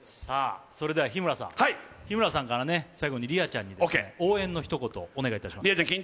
それでは日村さんから最後に莉愛ちゃんに応援メッセージお願いします。